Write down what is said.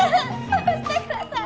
下ろしてください！